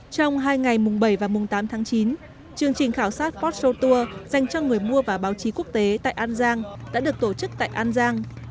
trong hai ngày mùng bảy và mùng tám tháng chín chương trình khảo sát postal tour dành cho người mua và báo chí quốc tế tại an giang đã được tổ chức tại an giang